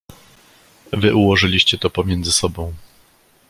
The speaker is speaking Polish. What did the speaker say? "Wy ułożyliście to pomiędzy sobą."